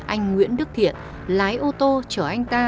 anh nguyễn đức thiện lái ô tô chở anh ta